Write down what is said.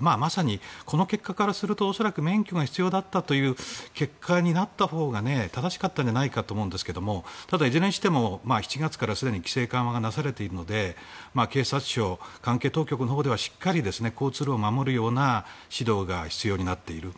まさにこの結果からすると免許が必要だったという結果になったほうが正しかったんじゃないかと思いますがただ、いずれにしても７月から規制緩和がされているので警察庁、関係当局のほうではしっかり交通ルールを守るような指導が必要になっている。